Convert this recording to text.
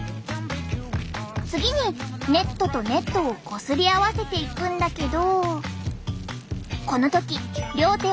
次にネットとネットをこすり合わせていくんだけど。